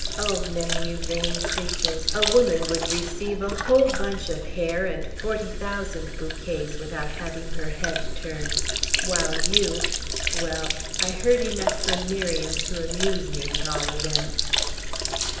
O men! you vain creatures! A woman would receive a whole bunch of hair and forty thousand bouquets, without having her head turned; while you Well! I heard enough from Miriam to amuse me, at all events.